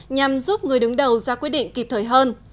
nhằm giúp người đứng đầu ra quyết định kịp thời hơn